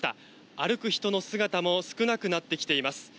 歩く人の姿も少なくなってきています。